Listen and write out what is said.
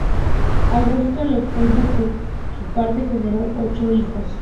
Augusto Leopoldo, por su parte, generó ocho hijos.